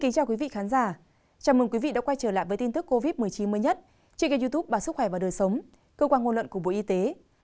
chào mừng quý vị đã quay trở lại với tin tức covid một mươi chín mới nhất trên kênh youtube bà sức khỏe và đời sống cơ quan ngôn luận của bộ y tế